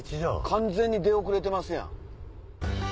完全に出遅れてますやん。